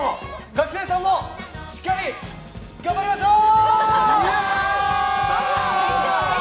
学生さんもしっかり頑張りましょう！